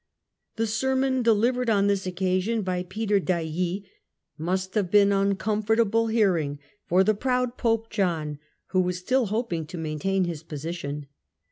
The sermon delivered on this occasion by Peter d'Ailly must have been uncomfortable hearing for the proud Pope John, who was still hoping to maintain his position.